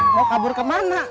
mau kabur kemana